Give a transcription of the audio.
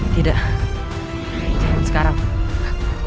tidak jangan sekarang